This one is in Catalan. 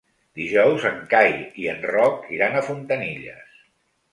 Dijous en Cai i en Roc iran a Fontanilles.